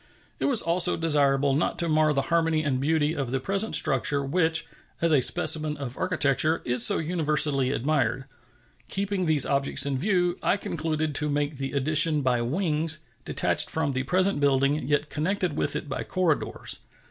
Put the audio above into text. It was also desirable not to mar the harmony and beauty of the present structure, which, as a specimen of architecture, is so universally admired. Keeping these objects in view, I concluded to make the addition by wings, detached from the present building, yet connected with it by corridors.